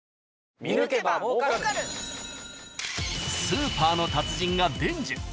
［スーパーの達人が伝授。